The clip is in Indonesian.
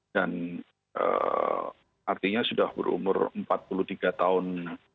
dan artinya sudah berumur empat puluh tiga tahun